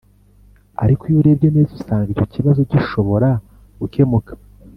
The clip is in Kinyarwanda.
ariko iyo urebye neza usanga icyo kibazo gishobora gukemuka